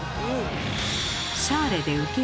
シャーレで受ける人。